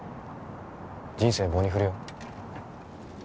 人生棒に振るよ